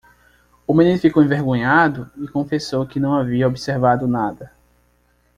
O menino ficou envergonhado? e confessou que não havia observado nada.